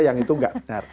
yang itu enggak benar